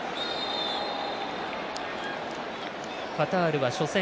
カタールは初戦